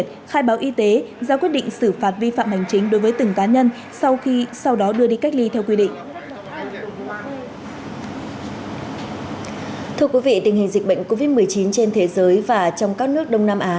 thưa quý vị tình hình dịch bệnh covid một mươi chín trên thế giới và trong các nước đông nam á